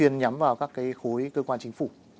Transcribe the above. nhắm vào các cái khối cơ quan chính phủ